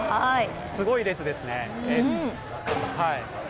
すごい列ですね。